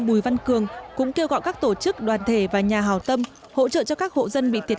bùi văn cường cũng kêu gọi các tổ chức đoàn thể và nhà hào tâm hỗ trợ cho các hộ dân bị tiệ